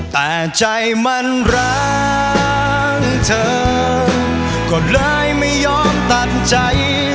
แต่ใจมันรักเธอก็เลยไม่ยอมตัดใจ